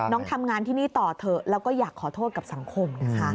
ทำงานที่นี่ต่อเถอะแล้วก็อยากขอโทษกับสังคมนะคะ